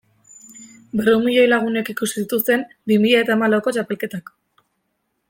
Berrehun milioi lagunek ikusi zituzten bi mila eta hamalauko txapelketak.